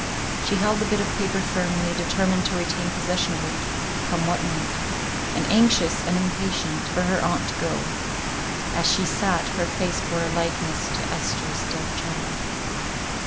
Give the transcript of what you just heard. She held the bit of paper firmly, determined to retain possession of it, come what might; and anxious, and impatient, for her aunt to go. As she sat, her face bore a likeness to Esther's dead child.